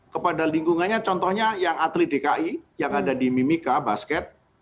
kepada lingkungannya contohnya yang atlet dki yang ada di mimika basket